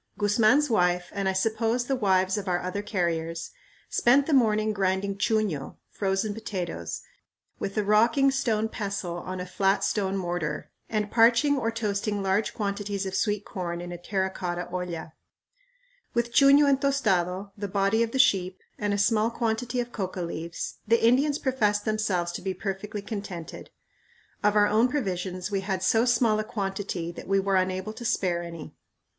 Guzman's wife, and I suppose the wives of our other carriers, spent the morning grinding chuño (frozen potatoes) with a rocking stone pestle on a flat stone mortar, and parching or toasting large quantities of sweet corn in a terra cotta olla. With chuño and tostado, the body of the sheep, and a small quantity of coca leaves, the Indians professed themselves to be perfectly contented. Of our own provisions we had so small a quantity that we were unable to spare any.